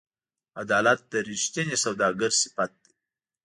عدالت د رښتیني سوداګر صفت دی.